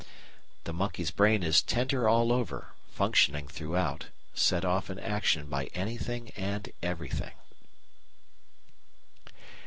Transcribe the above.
The monkey's brain is "tender all over, functioning throughout, set off in action by anything and everything."